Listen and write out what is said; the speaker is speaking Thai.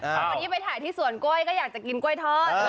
วันนี้ไปถ่ายที่สวนกล้วยก็อยากจะกินกล้วยทอด